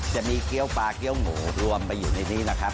จะมีเกี้ยวปลาเกี้ยวหมูรวมไปอยู่ในนี้นะครับ